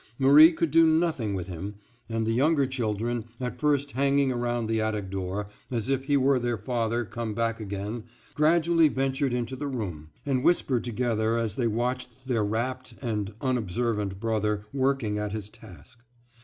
Marie could do nothing with him; and the younger children, at first hanging around the attic door, as if he were their father come back again, gradually ventured into the room, and whispered together as they watched their rapt and unobservant brother working at his task.